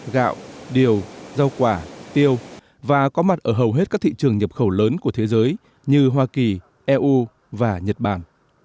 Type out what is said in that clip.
gạo điều rau quả tiêu và có mặt ở hầu hết các thị trường nhập khẩu lớn của thế giới như hoa kỳ eu và nhật bản